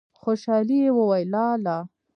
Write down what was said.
خوشالی يې وويل: لا لا!